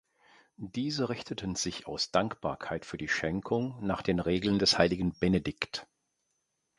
Diese richteten sich aus Dankbarkeit für die Schenkung nach den Regeln des heiligen Benedikt.